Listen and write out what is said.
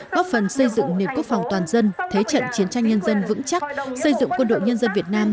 góp phần xây dựng nền quốc phòng toàn dân thế trận chiến tranh nhân dân vững chắc xây dựng quân đội nhân dân việt nam